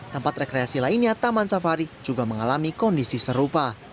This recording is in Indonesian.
tempat rekreasi lainnya taman safari juga mengalami kondisi serupa